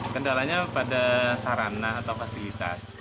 kendalanya pada sarana atau fasilitas